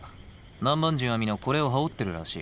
南蛮人は皆これを羽織ってるらしい。